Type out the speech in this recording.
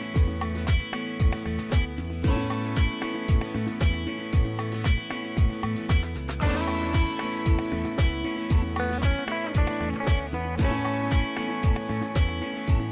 ไม่นานวันของจริงผมว่าเพิ่งทำอย่างน้ำฉันจะขึ้นแยก